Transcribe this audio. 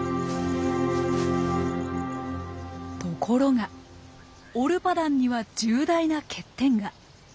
ところがオルパダンには重大な欠点が。